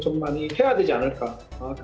dan berbicara dengan mereka secara stabil